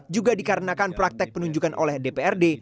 juga dikarenakan praktek penunjukan oleh dprd